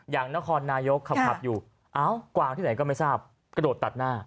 อย่างนครนายกขับอยู่เอ้ากวางที่ไหนก็ไม่ทราบกระโดดตัดหน้า